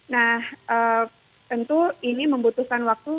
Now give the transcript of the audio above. nah tentu ini membutuhkan waktu